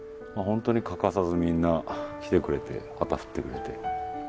まあ本当に欠かさずみんな来てくれて旗振ってくれて。